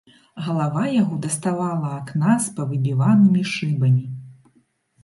Галава яго даставала акна з павыбіванымі шыбамі.